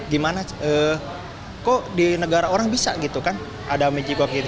gimana kok di negara orang bisa gitu kan ada majikok gitu